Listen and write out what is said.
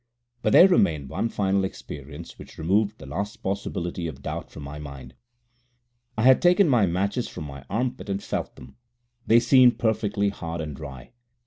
But there remained one final experience which removed the last possibility of doubt from my mind. I had taken my matches from my armpit and felt them. They seemed perfectly hard and dry.